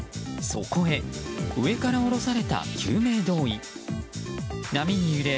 そこへ上から下ろされた救命胴衣。